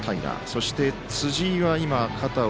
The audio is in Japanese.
そして、辻井は肩を。